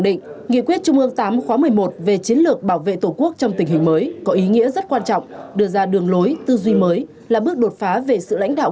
tình hình mới có ý nghĩa rất quan trọng đưa ra đường lối tư duy mới là bước đột phá về sự lãnh đạo